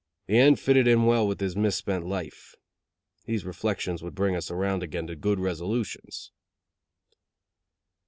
The end fitted in well with his misspent life. These reflections would bring us around again to good resolutions.